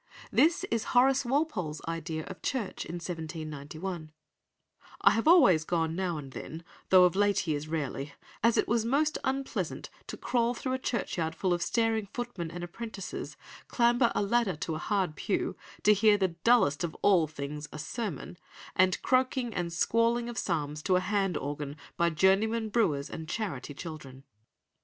This is Horace Walpole's idea of church in 1791: "I have always gone now and then, though of late years rarely, as it was most unpleasant to crawl through a churchyard full of staring footmen and apprentices, clamber a ladder to a hard pew, to hear the dullest of all things, a sermon, and croaking and squalling of psalms to a hand organ by journey men brewers and charity children."